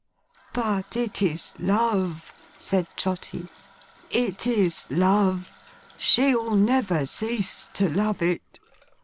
'But, it is Love,' said Trotty. 'It is Love. She'll never cease to love it.